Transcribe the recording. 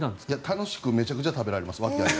楽しく、めちゃくちゃ食べられます。